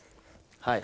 はい。